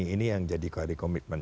ini yang jadi kode komitmen